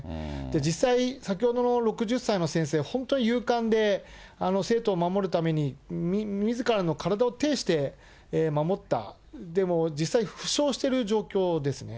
実際、先ほどの６０歳の先生、本当に勇敢で生徒を守るために、みずからの体を呈して守った、でも実際、負傷してる状況ですね。